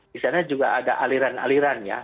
di sana juga ada aliran aliran ya